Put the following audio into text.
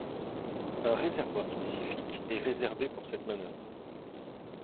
Un réservoir spécifique est réservé pour cette manœuvre.